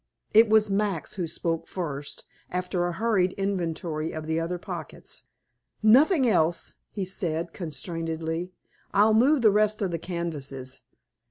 It was Max who spoke first, after a hurried inventory of the other pockets. "Nothing else," he said constrainedly. "I'll move the rest of the canvases."